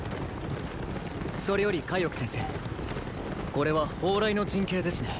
それより介億先生これは“包雷”の陣形ですね。